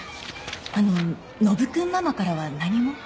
あのノブ君ママからは何も？